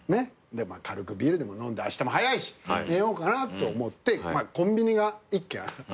軽くビールでも飲んであしたも早いし寝ようかなって思ってコンビニが１軒。